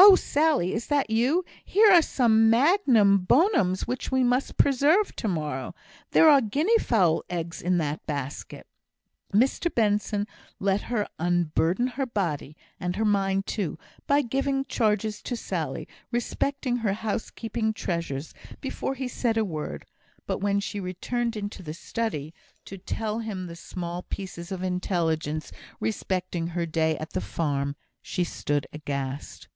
Oh, Sally, is that you? Here are some magnum bonums which we must preserve to morrow. There are guinea fowl eggs in that basket." Mr Benson let her unburden her body, and her mind too, by giving charges to Sally respecting her housekeeping treasures, before he said a word; but when she returned into the study, to tell him the small pieces of intelligence respecting her day at the farm, she stood aghast.